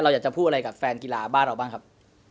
อยากจะพูดอะไรกับแฟนกีฬาบ้านเราบ้างครับ